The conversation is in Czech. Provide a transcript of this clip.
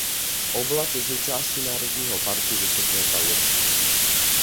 Oblast je součástí Národního parku Vysoké Taury.